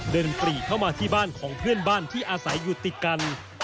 ปรีเข้ามาที่บ้านของเพื่อนบ้านที่อาศัยอยู่ติดกัน